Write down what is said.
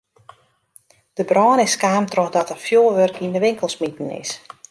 De brân is kaam trochdat der fjoerwurk yn de winkel smiten is.